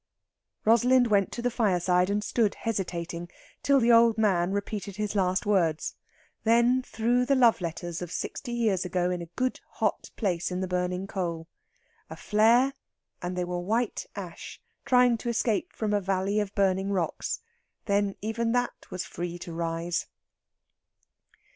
Rosalind went to the fireside and stood hesitating, till the old man repeated his last words; then threw the love letters of sixty years ago in a good hot place in the burning coal. A flare, and they were white ash trying to escape from a valley of burning rocks; then even that was free to rise.